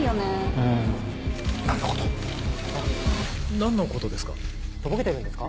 何のことですか？